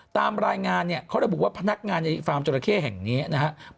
ตามรายงานเนี่ยเขาระบุว่าพนักงานในฟาร์มจราเข้แห่งนี้นะครับ